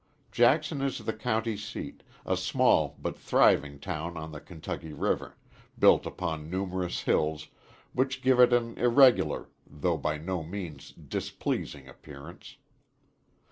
Jackson is the county seat, a small but thriving town on the Kentucky River, built upon numerous hills, which give it an irregular, though by no means displeasing appearance.